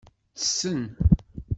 Ttessen.